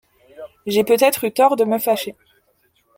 J’ai peut-être eu tort de me fâcher.